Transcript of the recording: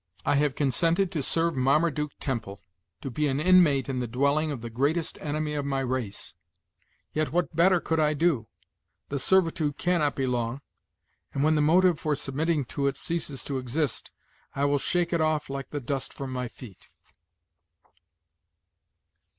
I have consented to serve Marmaduke Temple to be an inmate in the dwelling of the greatest enemy of my race; yet what better could I do? The servitude cannot be long; and, when the motive for submitting to it ceases to exist, I will shake it off like the dust from my feet."